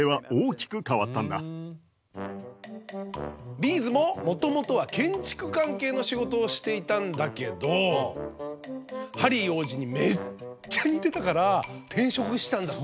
リーズももともとは建築関係の仕事をしていたんだけどハリー王子にめっちゃ似てたから転職したんだって。